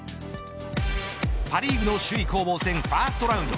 パ・リーグの首位攻防戦ファーストラウンド。